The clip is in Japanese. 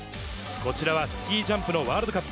こちらはスキージャンプのワールドカップ。